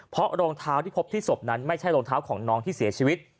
เพราะรองเท้าที่พบที่ศพนั้นไม่ใช่รองเท้าของน้องที่เสียชีวิต